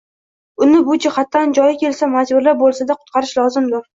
Uni bu jihatidan joyi kelsa majburlab bo‘lsada qutqarish lozimdir.